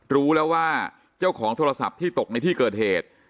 รู้แล้วว่าเจ้าของโทรศัพท์ที่ตกในที่เกิดเหตุ